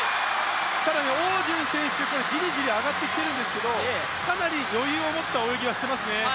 更に汪順選手、じりじり上がってきてるんですけどかなり余裕を持った泳ぎはしていますね。